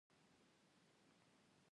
په پښتو کښي نظم تر نثر وړاندي تاریخ لري.